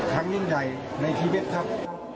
ทั้งยิ่งใหญ่ในทีเบ็ดครับ